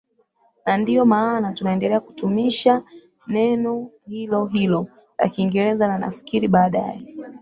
na ndiyo maana tunaendelea kutumisha neno hilo hilo la kingereza na nafikiri baadaye